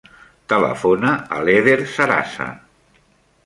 Telefona a l'Eder Sarasa.